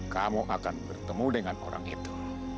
kamu akan bertemu dengan orang itu